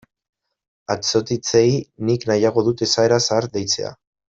Atsotitzei nik nahiago dut esaera zahar deitzea.